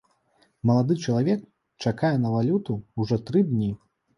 Малады чалавек чакае на валюту ўжо тры дні.